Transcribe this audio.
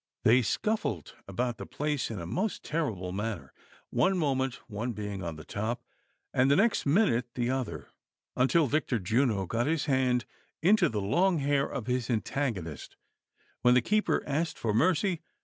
They scuffled about the place in a most terrible manner, one moment one being on the top and the next minute the other, until Victor Juno got his hand into the long hair 98 THE SOCIAL WAR OF 1900; OR, of his antagonist, when the keeper asked for mercy.